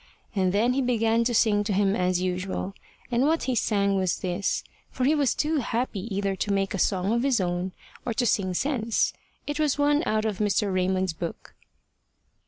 And then he began to sing to him as usual. And what he sang was this, for he was too happy either to make a song of his own or to sing sense. It was one out of Mr. Raymond's book.